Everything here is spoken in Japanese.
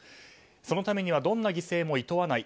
そのためにはどんな犠牲もいとわない。